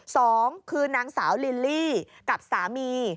สองคือนางสาวลิลลี่กับสามี